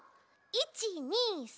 １２３。